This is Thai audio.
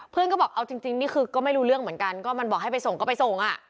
ก็บอกเอาจริงนี่คือก็ไม่รู้เรื่องเหมือนกันก็มันบอกให้ไปส่งก็ไปส่งอ่ะ